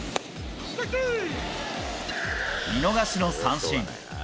見逃しの三振。